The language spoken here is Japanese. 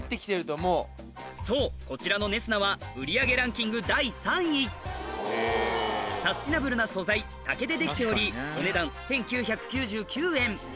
そうこちらのネスナは売り上げランキング第３位サステナブルな素材竹で出来ておりお値段１９９９円